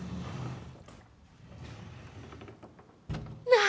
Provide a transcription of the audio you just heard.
何？